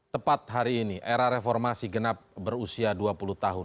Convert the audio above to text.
tepat hari ini era reformasi genap berusia dua puluh tahun